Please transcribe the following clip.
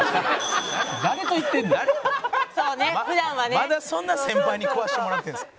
まだそんな先輩に食わせてもらってるんですか？